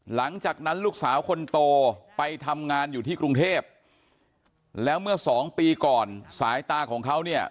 หลังจากนั้นลูกสาวคนโตไปทำงานอยู่ที่กรุงเทพแล้วเมื่อสองปีก่อนสายตาของเขาเนี่ย